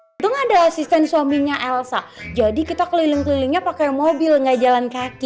untung ada asisten suaminya elsa jadi kita keliling kelilingnya pakai mobil nggak jalan kaki